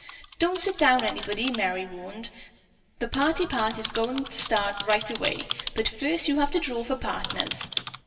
"Don't sit down, anybody," Merry warned. "The party part is going to start right away. But first you have to draw for partners."